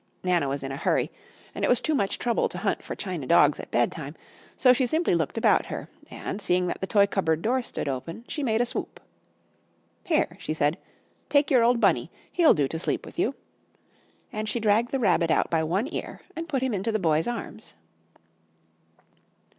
Nana was in a hurry, and it was too much trouble to hunt for china dogs at bedtime, so she simply looked about her, and seeing that the toy cupboard door stood open, she made a swoop. "Here," she said, "take your old Bunny! He'll do to sleep with you!" And she dragged the Rabbit out by one ear, and put him into the Boy's arms.